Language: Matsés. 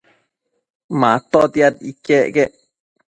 Matotiad iquec quec